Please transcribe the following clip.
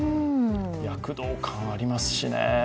躍動感ありますしね。